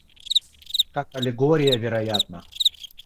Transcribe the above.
как аллегория вероятна.